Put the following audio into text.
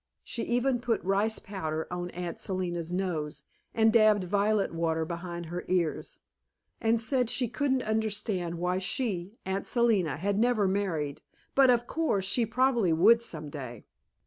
She even put rice powder on Aunt Selina's nose, and dabbed violet water behind her ears, and said she couldn't understand why she (Aunt Selina) had never married, but, of course, she probably would some day!